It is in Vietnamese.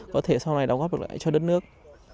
có thể sau này đóng góp được lại cho đất nước